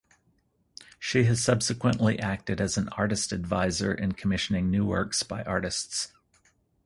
She has subsequently acted as an artist advisor in commissioning new works by artists.